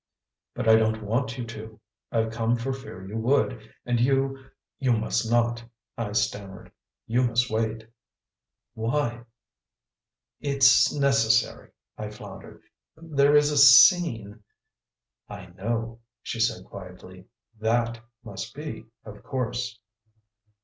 "But I don't want you to. I've come for fear you would, and you you must not," I stammered. "You must wait." "Why?" "It's necessary," I floundered. "There is a scene " "I know," she said quietly. "THAT must be, of course."